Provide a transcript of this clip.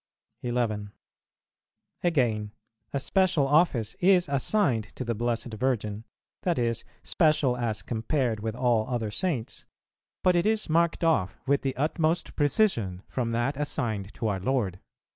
11. Again, a special office is assigned to the Blessed Virgin, that is, special as compared with all other Saints; but it is marked off with the utmost precision from that assigned to our Lord.